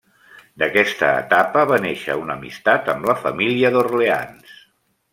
D'aquesta etapa va néixer una amistat amb la família d'Orleans.